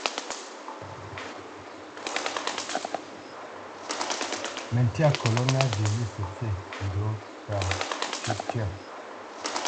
Mǝ́ntya koloná vilʉsǝ fi ndú pǝ́ cywítyǝ́.